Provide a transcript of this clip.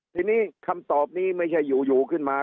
ทีนี้คำตอบนี้ไม่ใช่อยู่ขึ้นมา